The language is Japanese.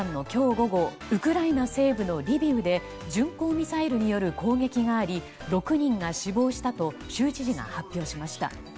午後ウクライナ西部のリビウで巡航ミサイルによる攻撃があり６人が死亡したと州知事が発表しました。